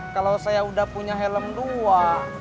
kalau saya udah punya helm dua